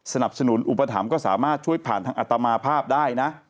สนับสนุนอุปถัมภ์ก็สามารถช่วยผ่านทางอัตมาภาพได้นะ